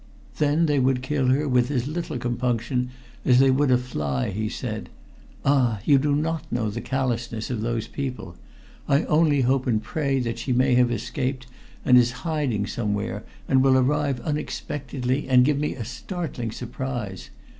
"Then they would kill her with as little compunction as they would a fly," he said. "Ah! you do not know the callousness of those people. I only hope and pray that she may have escaped and is in hiding somewhere, and will arrive unexpectedly and give me a startling surprise.